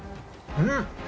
うん！